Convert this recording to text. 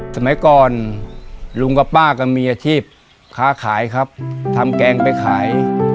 สมัยก่อนลุงกับป้าก็มีอาชีพค้าขายครับทำแกงไปขาย